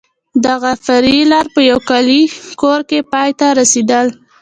دغه فرعي لار په یو کلیوالي کور کې پای ته رسېدل.